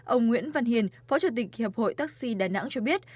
ông nguyễn văn hiền phó chủ tịch hiệp hội taxi đà nẵng cho biết